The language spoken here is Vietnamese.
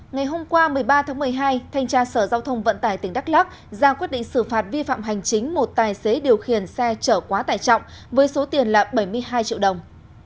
ngày hôm qua một mươi ba tháng một mươi hai thanh tra sở giao thông vận tải tỉnh đắk lắc ra quyết định xử phạt vi phạm hành chính một tài xế điều khiển xe chở quá tải trọng với số tiền là bảy mươi hai triệu đồng